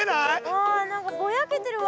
うん何かぼやけてるわ。